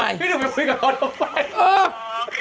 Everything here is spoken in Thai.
ไม่ได้ไปคุยกับเขาทำไม